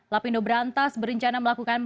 lapindo berantas berencana melakukan